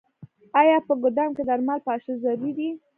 آیا په ګدام کې درمل پاشل ضروري دي؟